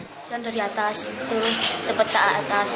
hujan dari atas cepat ke atas